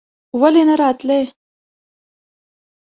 ولې نه راتلې?